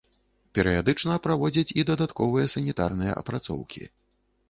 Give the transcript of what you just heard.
Перыядычна праводзяць і дадатковыя санітарныя апрацоўкі.